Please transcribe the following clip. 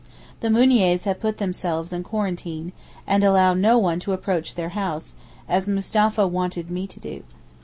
The Mouniers have put themselves in quarantine, and allow no one to approach their house, as Mustapha wanted me to do.